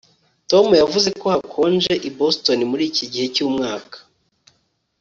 tom yavuze ko hakonje i boston muri iki gihe cyumwaka